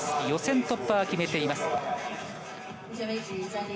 予選突破決めています。